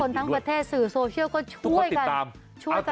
ทั้งประเทศสื่อโซเชียลก็ช่วยกันช่วยกัน